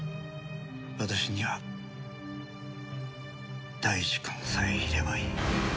私には大二くんさえいればいい。